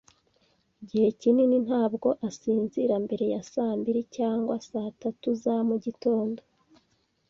Igihe kinini, ntabwo asinzira mbere ya saa mbiri cyangwa saa tatu za mugitondo.